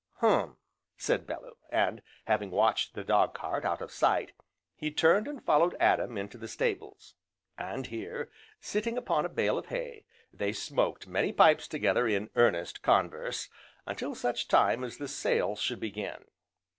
"Hum!" said Bellew, and, having watched the dog cart out of sight, he turned and followed Adam into the stables. And here, sitting upon a bale of hay, they smoked many pipes together in earnest converse, until such time as the sale should begin.